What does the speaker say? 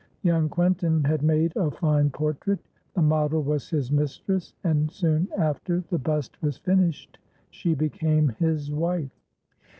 Young Quentin had made a fine portrait. The model was his mistress, and, soon after the bust was finished, she became his wife.